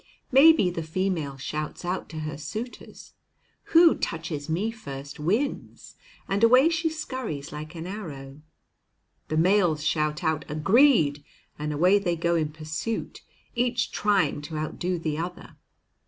Maybe the female shouts out to her suitors, "Who touches me first wins," and away she scurries like an arrow. The males shout out, "Agreed!" and away they go in pursuit, each trying to outdo the other.